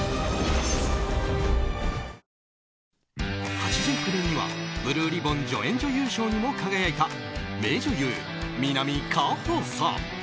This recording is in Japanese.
８９年にはブルーリボン賞助演女優賞にも輝いた名女優・南果歩さん。